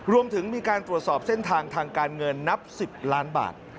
รวมถึงมีการตรวจสอบเส้นทางทางการเงินนับ๑๐ล้านบาท